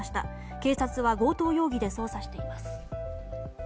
警察は強盗容疑で捜査しています。